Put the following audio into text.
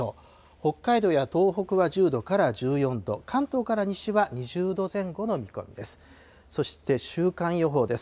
北海道や東北は１０度から１４度、関東から西は２０度前後の見込みです。